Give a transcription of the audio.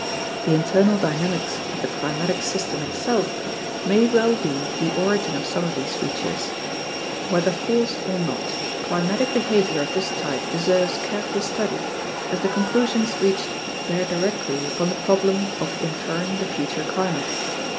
The internal dynamics of the climatic system itself may well be the origin of some of these features. Whether forced or not, climatic behavior of this type deserves careful study, as the conclusions reached bear directly upon the problem of inferring the future climate.